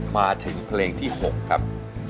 มาถึงเพลงที่๖ครับ